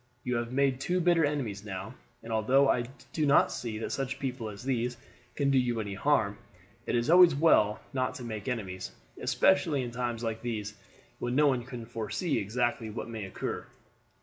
You have made two bitter enemies now, and although I do not see that such people as these can do you any harm, it is always well not to make enemies, especially in times like these when no one can foresee exactly what may occur."